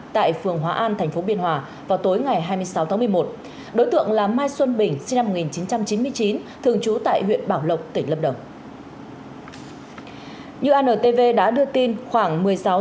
tại phường hóa an thành phố biên hòa vào tối ngày hai mươi sáu tháng một mươi một